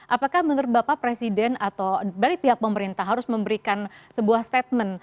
apakah menurut bapak presiden atau dari pihak pemerintah harus memberikan sebuah statement